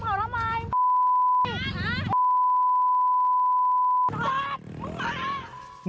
โตเจ้าก่อน